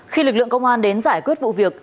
khi lực lượng công an đến giải quyết vụ việc